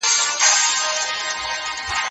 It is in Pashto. په ښوونځي کي باید د ازادې مطالعې فرصت وي.